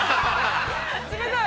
◆冷たい。